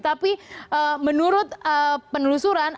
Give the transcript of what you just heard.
tapi menurut penelusuran